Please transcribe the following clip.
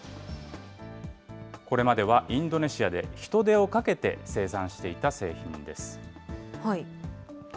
これまではインドネシアで人手をかけて生産していた製品です。